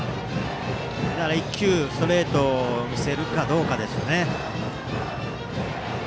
だから、１球ストレートを見せるかどうかですね。